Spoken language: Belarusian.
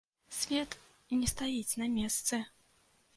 Свет не стаіць на месцы!